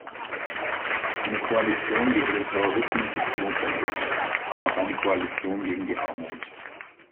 Ein Koalition gegen den Terrorismus ist notwendig, aber auch eine Koalition gegen die Armut.